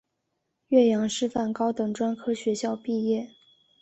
岳阳师范高等专科学校毕业。